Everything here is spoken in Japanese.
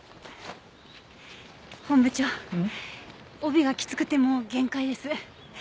本部長帯がきつくてもう限界です。